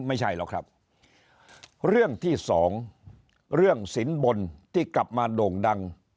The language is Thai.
ไม่ใช่หรอกครับเรื่องที่สองเรื่องสินบนที่กลับมาโด่งดัง